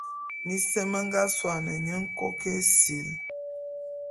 Mis me nga suane nye Nkok-Esil.